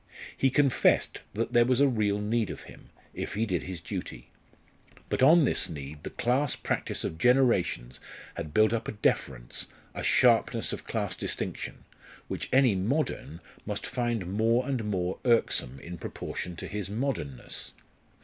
He confessed that there was a real need of him, if he did his duty. But on this need the class practice of generations had built up a deference, a sharpness of class distinction, which any modern must find more and more irksome in proportion to his modernness.